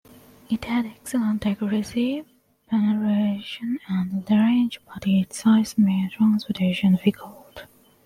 It had excellent accuracy, penetration and range, but its size made transportation difficult.